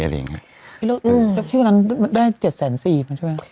สิ่งหนึ่งันได้๗๔๐๐๐๐บาทใช่มั้ย